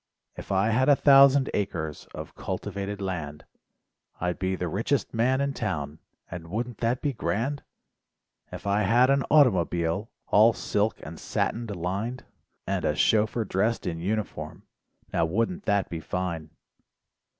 If I had a thousand acres Of cultivated land, 72 LIFE WAVES I'd be the richest man in town, And wouldn't that be grand? If I had an automobile, All silk and satined lined, And a chauffeur dressed in uniform. Now wouldn't that be fine?